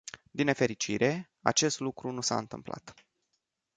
Din nefericire, acest lucru nu s-a întâmplat.